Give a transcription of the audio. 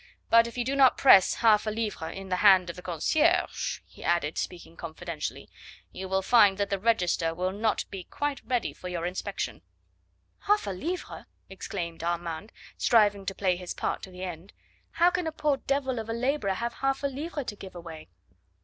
But if you do not press half a livre in the hand of the concierge," he added, speaking confidentially, "you will find that the register will not be quite ready for your inspection." "Half a livre!" exclaimed Armand, striving to play his part to the end. "How can a poor devil of a labourer have half a livre to give away?"